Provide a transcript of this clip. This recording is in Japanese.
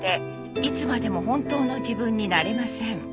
「いつまでも本当の自分になれません」